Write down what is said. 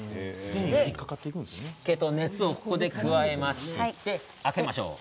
湿気と熱を、ここで加えまして開けてみましょう。